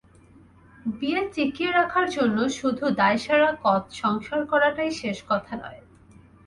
বিয়ে টিকিয়ে রাখার জন্য শুধু দায়সারা সংসার করাটাই শেষ কথা নয়।